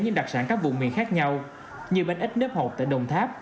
những đặc sản các vùng miền khác nhau như bánh ít nếp hộp tại đồng tháp